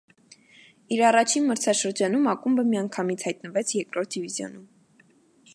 Իր առաջին մրցաշրջանում ակումբը միանգամից հայտնվեց երկրորդ դիվիզիոնում։